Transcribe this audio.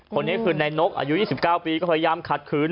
คนนี้คือนายนกอายุ๒๙ปีก็พยายามขัดขืน